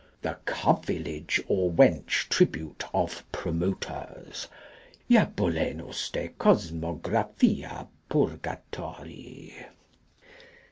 The Covillage or Wench tribute of Promoters. (Jabolenus de Cosmographia Purgatorii.)